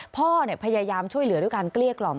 พ่อพยายามช่วยเหลือด้วยการเกลี้ยกล่อม